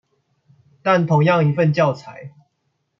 但同樣一份教材